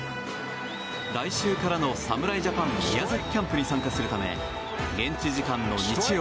来週からの侍ジャパン宮崎キャンプに参加するため現地時間の日曜